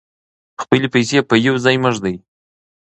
خپلې پیسې په یو ځای مه ږدئ.